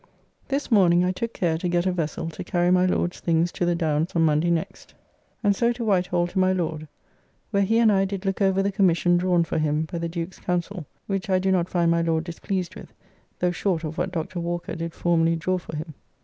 This morning I took care to get a vessel to carry my Lord's things to the Downs on Monday next, and so to White Hall to my Lord, where he and I did look over the Commission drawn for him by the Duke's Council, which I do not find my Lord displeased with, though short of what Dr. Walker did formerly draw for him.